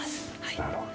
なるほど。